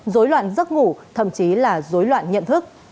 rối loạn giấc ngủ thậm chí là rối loạn nhận thức